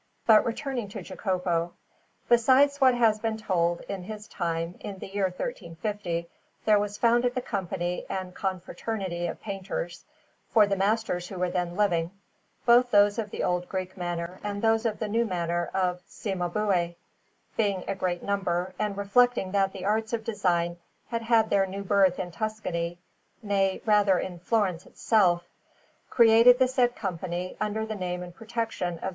But returning to Jacopo; besides what has been told, in his time, in the year 1350, there was founded the Company and Confraternity of Painters; for the masters who were then living, both those of the old Greek manner and those of the new manner of Cimabue, being a great number, and reflecting that the arts of design had had their new birth in Tuscany nay rather, in Florence itself created the said Company under the name and protection of S.